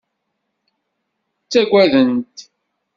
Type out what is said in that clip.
Ttagaden-t.